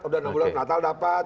udah enam bulan natal dapat